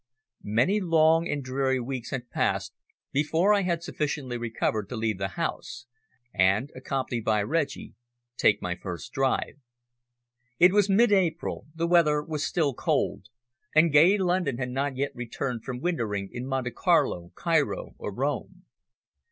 Many long and dreary weeks had passed before I had sufficiently recovered to leave the house, and, accompanied by Reggie, take my first drive. It was mid April, the weather was still cold, and gay London had not yet returned from wintering in Monte Carlo, Cairo or Rome.